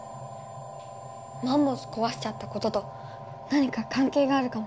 マンモスこわしちゃったことと何かかんけいがあるかも！